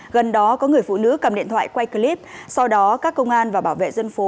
gần đó có người phụ nữ cầm điện thoại quay clip sau đó các công an và bảo vệ dân phố